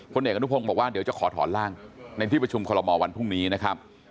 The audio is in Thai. เด็กอนุพงศ์บอกว่าเดี๋ยวจะขอถอนร่างในที่ประชุมคอลโมวันพรุ่งนี้นะครับ